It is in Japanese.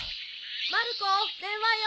・まる子電話よ。